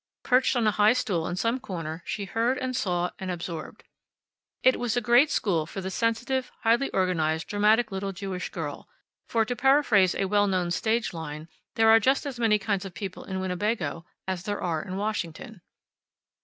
Perched on a high stool in some corner she heard, and saw, and absorbed. It was a great school for the sensitive, highly organized, dramatic little Jewish girl, for, to paraphrase a well known stage line, there are just as many kinds of people in Winnebago as there are in Washington.